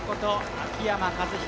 秋山和彦。